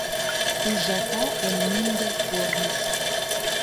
Ужата эн мӱндыр корныш